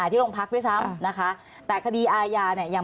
อ่าที่โรงพักด้วยซ้ำนะคะ